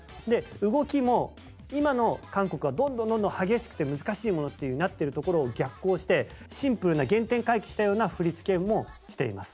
動きも今の韓国はどんどんどんどん激しくて難しいものってなってるところを逆行してシンプルな原点回帰したような振り付けもしています。